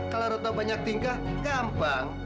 kalau rotan banyak tingkah gampang